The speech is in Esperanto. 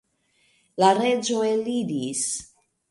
La reĝo eliris.